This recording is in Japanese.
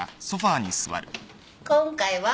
今回は？